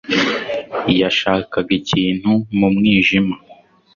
Yashakaga ikintu mu mwijima